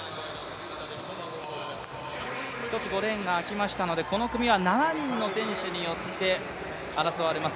１つ５レーンが空きましたので、この組は７人の選手によって争われます。